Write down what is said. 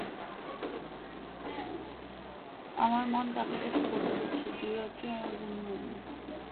আমার মন তাকে কিছু বলতে চাচ্ছে বলেই, এই দু রাত্রি আমার ঘুম হয় নি।